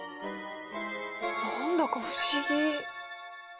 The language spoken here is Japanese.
何だか不思議。